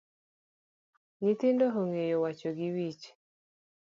Nyithindo ong’eyo wacho gi wich